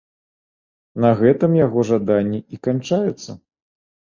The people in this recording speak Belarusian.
На гэтым яго жаданні і канчаюцца.